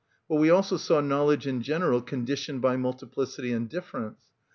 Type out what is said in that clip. But we also saw knowledge in general conditioned by multiplicity and difference.